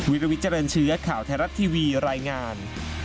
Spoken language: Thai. วิลวิเจริญเชื้อข่าวไทยรัฐทีวีรายงาน